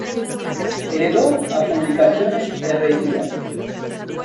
Heredó a publicaciones Herrerías.